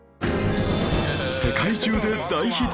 世界中で大ヒット！